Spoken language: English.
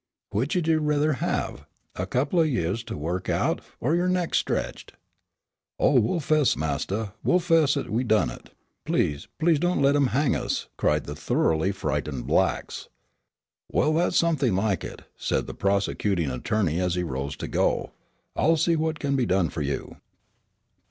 Which 'ud you rather have, a couple o' years to work out, or your necks stretched?" "Oh, we'll 'fess, Mistah, we'll 'fess we done it; please, please don't let 'em hang us!" cried the thoroughly frightened blacks. "Well, that's something like it," said the prosecuting attorney as he rose to go. "I'll see what can be done for you."